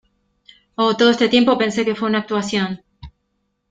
¡ Oh, todo este tiempo pensé que fue una actuación!